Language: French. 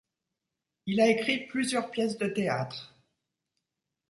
Il a écrit plusieurs pièces de théâtre.